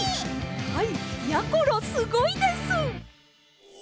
はいやころすごいです！